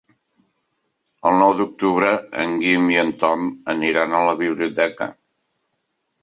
El nou d'octubre en Guim i en Tom aniran a la biblioteca.